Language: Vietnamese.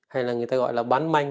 hay là người ta gọi là bán manh